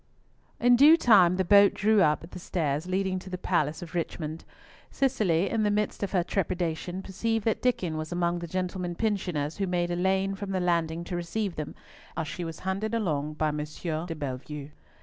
In due time the boat drew up at the stairs leading to the palace of Richmond. Cicely, in the midst of her trepidation, perceived that Diccon was among the gentlemen pensioners who made a lane from the landing to receive them, as she was handed along by M. de Bellievre.